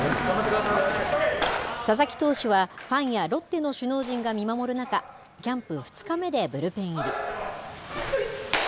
佐々木投手は、ファンやロッテの首脳陣が見守る中、キャンプ２日目でブルペン入り。